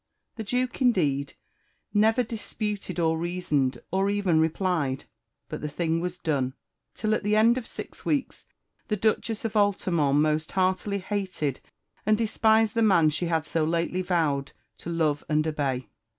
The Duke, indeed, never disputed, or reasoned, or even replied; but the thing was done; till, at the end of six weeks, the Duchess of Altamont most heartily hated and despised the man she had so lately vowed to love and obey.